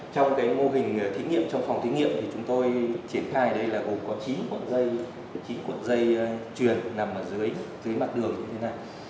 trong cái mô hình thí nghiệm trong phòng thí nghiệm thì chúng tôi triển khai đây là gồm có chín cuộn dây truyền nằm ở dưới mặt đường như thế này